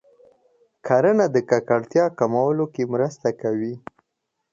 کرنه د ککړتیا کمولو کې مرسته کوي.